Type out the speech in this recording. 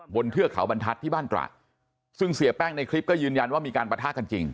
เทือกเขาบรรทัศน์ที่บ้านตระซึ่งเสียแป้งในคลิปก็ยืนยันว่ามีการปะทะกันจริง